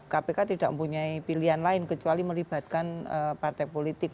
kpk tidak mempunyai pilihan lain kecuali melibatkan partai politik